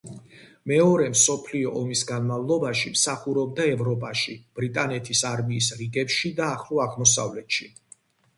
მეორე მსოფლიო ომის განმავლობაში მსახურობდა ევროპაში, ბრიტანეთის არმიის რიგებში და ახლო აღმოსავლეთში.